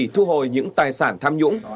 thu hồi những tài sản tham nhũng